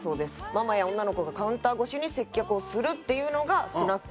ママや女の子がカウンター越しに接客をするっていうのがスナック。